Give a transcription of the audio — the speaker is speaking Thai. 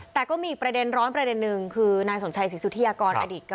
แต่ก็มีอีกประเด็นร้อนประเด็นหนึ่งคือนายสมชัยศรีสุธิยากรอดีต